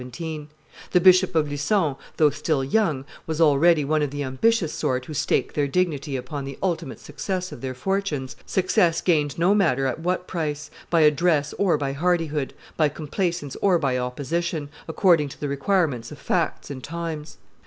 The Bishop of Lucon, though still young, was already one of the ambitious sort who stake their dignity upon the ultimate success of their fortunes, success gained no matter at what price, by address or by hardihood, by complaisance or by opposition, according to the requirements of facts and times.